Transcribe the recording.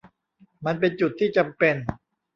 มันเป็นจุดที่จำเป็น